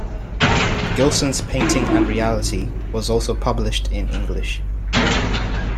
Gilson's "Painting and Reality" was also published in English.